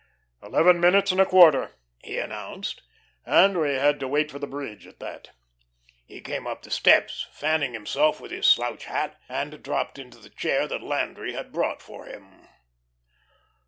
"Eleven minutes and a quarter," he announced, "and we had to wait for the bridge at that." He came up the steps, fanning himself with his slouch hat, and dropped into the chair that Landry had brought for him.